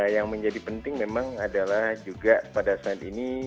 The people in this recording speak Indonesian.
yang menjadi penting memang adalah juga pada saat ini